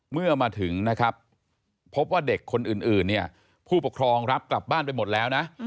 เมื่อมาถึงนะครับพบว่าเด็กคนอื่นเนี่ยผู้ปกครองรับกลับบ้านไปหมดแล้วนะ